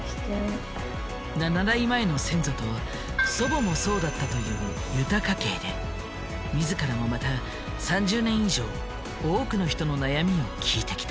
７代前の先祖と祖母もそうだったというユタ家系で自らもまた３０年以上多くの人の悩みを聞いてきた。